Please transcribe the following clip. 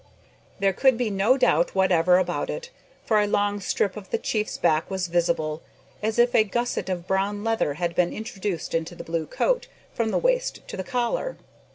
There could be no doubt whatever about that, for a long strip of the chief's back was visible, as if a gusset of brown leather had been introduced into the blue coat, from the waist to the collar.